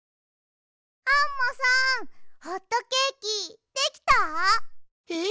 アンモさんホットケーキできた？へ？